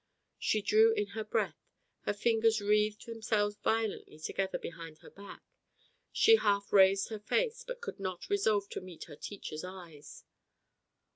She drew in her breath, her fingers wreathed themselves violently together behind her back. She half raised her face, but could not resolve to meet her teacher's eyes.